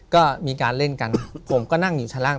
ก็มีการเล่นกันผมก็นั่งอยู่ชั้นล่าง